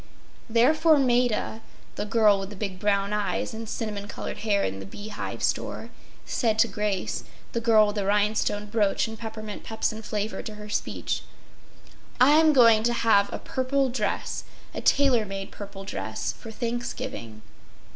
Therefore Maida—the girl with the big brown eyes and cinnamon colored hair in the Bee Hive Store—said to Grace—the girl with the rhinestone brooch and peppermint pepsin flavor to her speech—“I’m going to have a purple dress—a tailor made purple dress—for Thanksgiving.